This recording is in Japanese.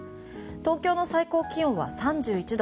東京の最高気温は３１度。